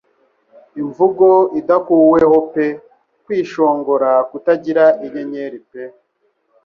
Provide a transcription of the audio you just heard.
Imvugo idakuweho pe kwishongora kutagira inyenyeri pe